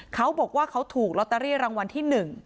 เขาบอกว่าเขาถูกลอตเตอรี่รางวัลที่๑